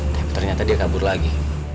tapi ternyata dia kabur lagi